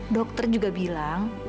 dokter juga bilang